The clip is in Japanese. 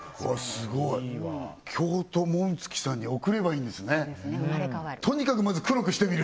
すごい京都紋付さんに送ればいいんですねとにかくまず黒くしてみる